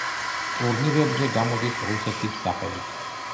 ტურნირებზე გამოდის რუსეთის სახელით.